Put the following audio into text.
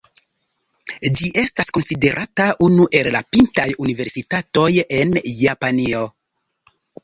Ĝi estas konsiderata unu el la pintaj universitatoj en Japanio.